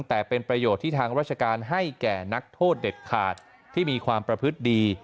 แต่เป็นประโยชน์ที่ทางราชการให้แก่นักโทษเด็ดขาดที่มีความประพฤติดี